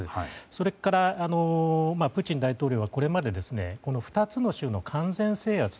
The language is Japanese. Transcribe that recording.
それから、プーチン大統領はこれまでこの２つの州の完全制圧